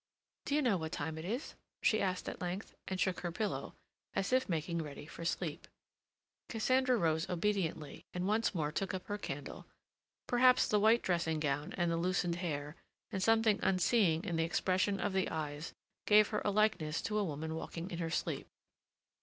"D'you know what time it is?" she said at length, and shook her pillow, as if making ready for sleep. Cassandra rose obediently, and once more took up her candle. Perhaps the white dressing gown, and the loosened hair, and something unseeing in the expression of the eyes gave her a likeness to a woman walking in her sleep.